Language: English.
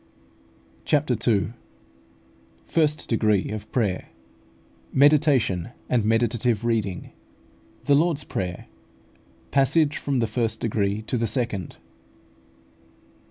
CHAPTER II. FIRST DEGREE OF PRAYER MEDITATION AND MEDITATIVE READING THE LORD'S PRAYER PASSAGE FROM THE FIRST DEGREE TO THE SECOND.